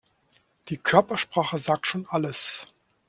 Die Körpersprache sagt schon alles.